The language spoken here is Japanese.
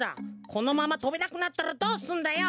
このままとべなくなったらどうすんだよ。